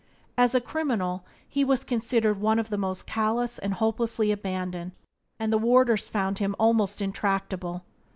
As a criminal he was considered one of the most callous and hopelessly abandoned, and the warders found him almost intractable.